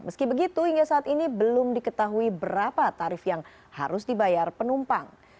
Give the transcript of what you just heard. meski begitu hingga saat ini belum diketahui berapa tarif yang harus dibayar penumpang